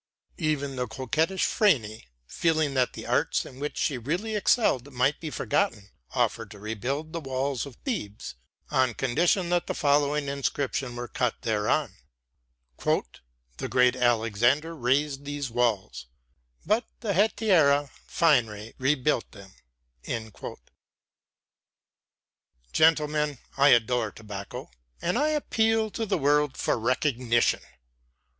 Even the coquettish Phryne, fearing that the arts in which she really excelled might be forgotten, offered to rebuild the walls of Thebes on condition that the following inscription were cut thereon: "The great Alexander razed these walls, but the hetaira Phryne rebuilt them." Gentlemen, I adore tobacco, and I appeal to the world for recognition.